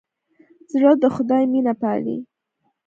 زړه د خدای مینه پالي.